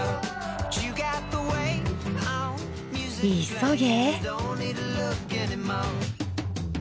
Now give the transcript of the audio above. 急げ。